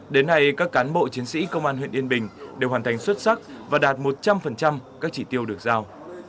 đến nay các cán bộ chiến sĩ công an huyện yên bình đều hoàn thành xuất sắc và đạt một trăm linh các chỉ tiêu được giao